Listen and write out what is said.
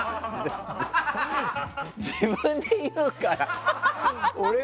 自分で言うから。